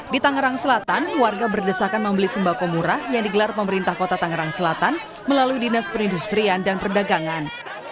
di tangerang selatan warga berdesakan membeli sembako murah yang digelar pemerintah kota tangerang selatan melalui dinas perindustrian dan perdagangan